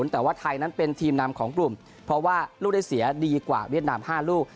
แต่ว่าไทยนั้นเป็นทีมนำของกลุ่มเพราะว่าลูกได้เสียดีกว่าเวียดนาม๕ลูก